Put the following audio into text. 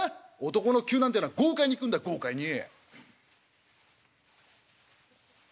男の灸なんていうのは豪快にいくんだ豪快に」。